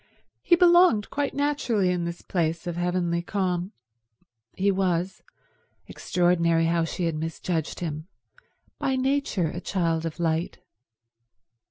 He belonged quite naturally in this place of heavenly calm. He was—extraordinary how she had misjudged him—by nature a child of light.